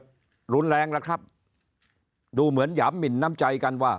ก็รุนแรงแล้วครับดูเหมือนหยามหมินน้ำใจกันว่า